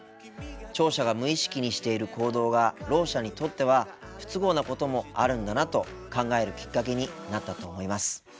聴者が無意識にしている行動がろう者にとっては不都合なこともあるんだなと考えるきっかけになったと思います。